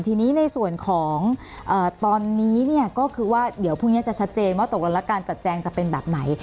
ทีนี้ในส่วนของตอนนี้เนี่ยก็คือว่าเดี๋ยวพรุ่งนี้จะชัดเจนว่าตกลงแล้วการจัดแจงจะเป็นแบบไหน